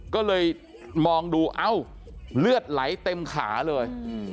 ก็เลยมองดูเอ้าเลือดไหลเต็มขาเลย